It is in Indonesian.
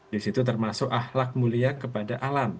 di situ termasuk ahlak mulia kepada alam